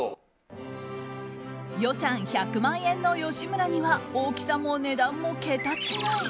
予算１００万円の吉村には大きさも値段も桁違い。